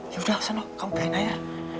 yaudah sana kamu pilih aja